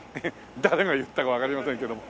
誰が言ったかわかりませんけども。